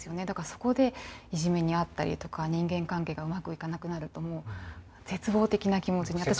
だからそこでいじめに遭ったりとか人間関係がうまくいかなくなるともう絶望的な気持ちに。